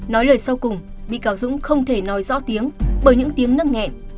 nói lời sau cùng bị cáo dũng không thể nói rõ tiếng bởi những tiếng nâng nghẹn